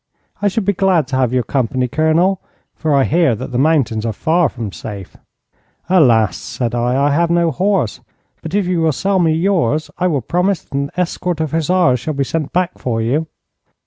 I should be glad to have your company, Colonel, for I hear that the mountains are far from safe.' 'Alas,' said I, 'I have no horse. But if you will sell me yours, I will promise that an escort of hussars shall be sent back for you.'